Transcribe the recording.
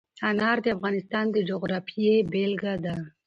انار د افغانستان د جغرافیې بېلګه ده.